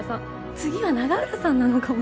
次は永浦さんなのかも。